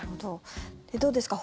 どうですか？